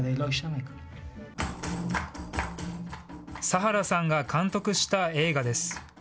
サハラさんが監督した映画です。